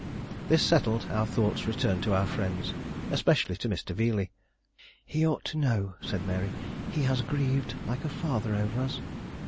This settled, our thoughts returned to our friends, especially to Mr. Veeley. "He ought to know," said Mary. "He has grieved like a father over us."